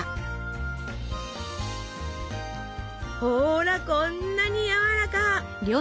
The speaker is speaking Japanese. ほらこんなにやわらか！